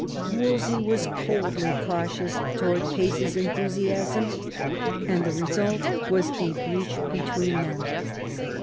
Wolsey was coldly cautious towards Pace's enthusiasm, and the result was a breach between them.